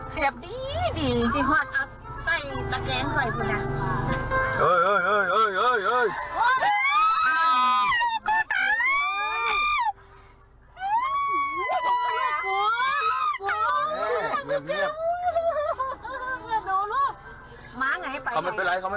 เชิญกับทุกคนค่ะ